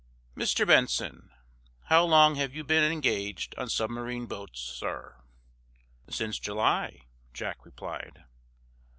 "Mr. Benson, how long have you been engaged on submarine boats, sir?" "Since July," Jack replied.